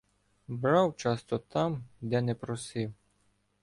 Брав часто там, де не просив.